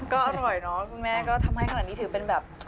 ก็อร่อยเนาะคุณแม่ก็ทำให้ขนาดนี้ถือเป็นแบบ